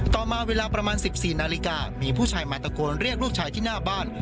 ต่อมาเวลาประมาณ๑๔นาฬิกามีผู้ชายมาตะโกนเรียกลูกชายที่หน้าบ้าน